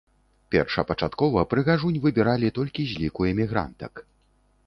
Першапачаткова прыгажунь выбіралі толькі з ліку эмігрантак.